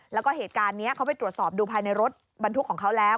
แล้วก็เหตุการณ์นี้เขาไปตรวจสอบดูภายในรถบรรทุกของเขาแล้ว